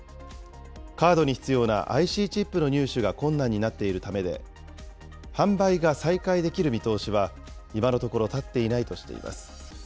カードに必要なＩＣチップの入手が困難になっているためで、販売が再開できる見通しは、今のところ立っていないとしています。